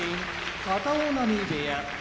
片男波部屋